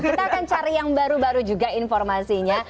kita akan cari yang baru baru juga informasinya